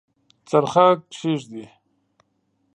څرخه کښیږدي